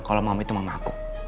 kalau mau itu mama aku